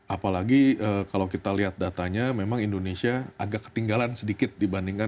apalagi kalau kita lihat datanya memang indonesia agak ketinggalan sedikit dibandingkan